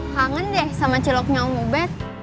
hangen deh sama celoknya om ubed